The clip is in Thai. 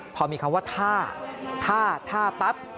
พอมีคำว่าท่าท่าปั๊บ